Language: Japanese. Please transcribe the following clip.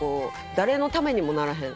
誰のためにもならへん